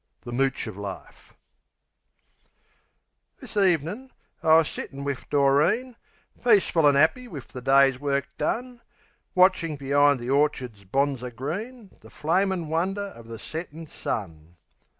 The Mooch o' Life This ev'nin' I was sittin' wiv Doreen, Peaceful an' 'appy wiv the day's work done, Watchin', be'ind the orchard's bonzer green, The flamin' wonder of the settin' sun.